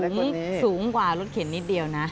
สูงกว่ารถเข็นนิดเดียวนะ